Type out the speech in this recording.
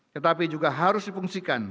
tetapi juga harus dipungsikan